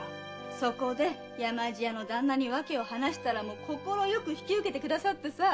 そこで山路屋のだんなに訳を話したらもう快く引き受けてくださってさ。